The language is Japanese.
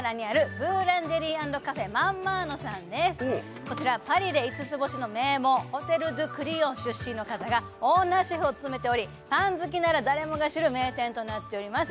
続いてはこちらこちらパリで五つ星の名門ホテル・ド・クリヨン出身の方がオーナーシェフを務めておりパン好きなら誰もが知る名店となっております